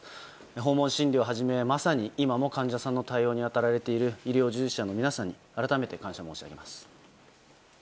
訪問診療をはじめまさに今も患者さんの対応に当たられている医療従事者の皆さんに改めて感謝申し上げます。